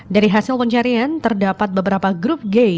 dari hasil pencarian terdapat beberapa grup g